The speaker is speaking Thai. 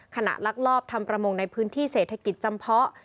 ลักลอบทำประมงในพื้นที่เศรษฐกิจจำเพาะ